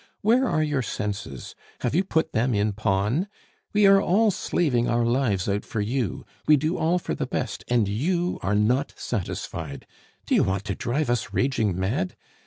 Where are your senses? have you put them in pawn? We are all slaving our lives out for you; we do all for the best, and you are not satisfied! Do you want to drive us raging mad?